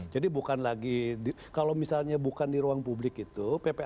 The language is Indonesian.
jadi bukan lagi kalau misalnya bukan di ruang publik itu